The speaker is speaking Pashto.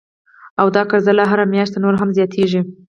او دا قرضه لا هره میاشت نوره هم زیاتیږي